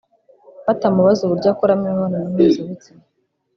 batamubaza uburyo akoramo imibonano mpuzabitsina